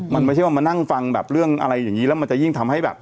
มันไม่ใช่ว่ามานั่งฟังแบบเรื่องอะไรอย่างนี้แล้วมันจะยิ่งทำให้แบบ